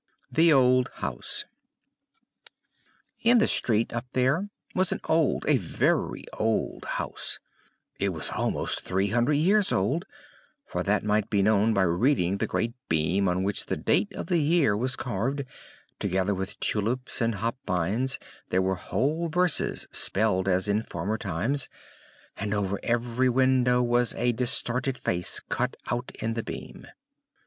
THE OLD HOUSE In the street, up there, was an old, a very old house it was almost three hundred years old, for that might be known by reading the great beam on which the date of the year was carved: together with tulips and hop binds there were whole verses spelled as in former times, and over every window was a distorted face cut out in the beam.